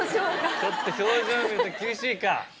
ちょっと表情見ると厳しいか？